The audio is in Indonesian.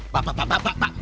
pak pak pak pak pak